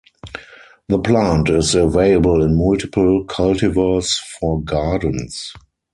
The plant is available in multiple cultivars for gardens.